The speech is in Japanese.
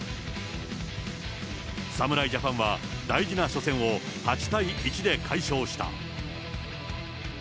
侍ジャパンは、大事な初戦を８対１で快勝した。